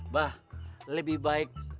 bah lebih baik istighfar bah